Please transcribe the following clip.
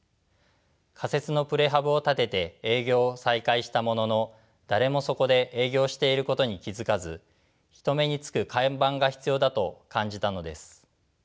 仮設のプレハブを建てて営業を再開したものの誰もそこで営業していることに気付かず人目につく看板が必要だと感じたのです。